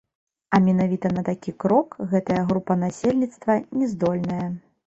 А менавіта на такі крок гэтая група насельніцтва не здольная.